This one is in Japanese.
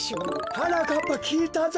はなかっぱきいたぞ。